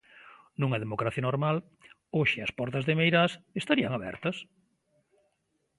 Nunha democracia normal, hoxe as portas de Meirás estarían abertas.